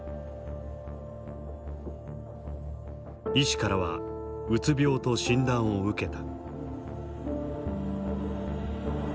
医師からはうつ病と診断を受けた。